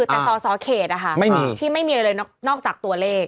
แต่สอสอเขตที่ไม่มีอะไรเลยนอกจากตัวเลข